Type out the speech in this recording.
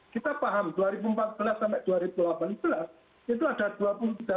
kita paham dua ribu empat belas sampai dua ribu delapan belas itu ada dua puluh tiga triliun itu hanya untuk pasien cuci darah